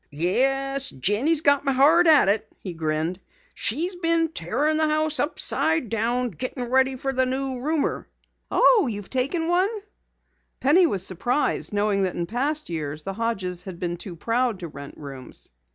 "Yes, Jenny's got me hard at it," he grinned. "She's been tearin' the house upside down gettin' ready for the new roomer." "Oh, have you taken one?" Penny was surprised, knowing that in past years the Hodges had been too proud to rent rooms.